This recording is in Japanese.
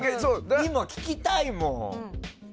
今、聴きたいもん。